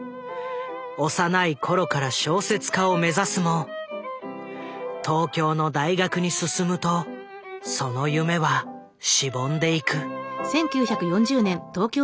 幼い頃から小説家を目指すも東京の大学に進むとその夢はしぼんでいく。